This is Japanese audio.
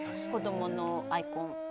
子供のアイコン。